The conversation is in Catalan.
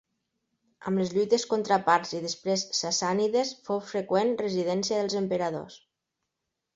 Amb les lluites contra parts i després sassànides, fou freqüent residència dels emperadors.